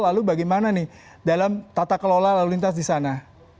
lalu bagaimana nih dalam tata kelola lalu lintas di sana